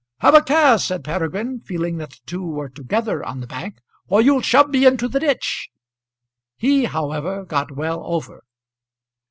"Have a care," said Peregrine, feeling that the two were together on the bank, "or you'll shove me into the ditch." He however got well over.